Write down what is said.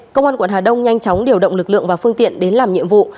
công an quận hà đông nhanh chóng điều động lực lượng và phương tiện đến làm nhiệm vụ